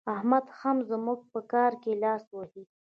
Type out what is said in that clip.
احمد هم زموږ په کار کې لاس وهي.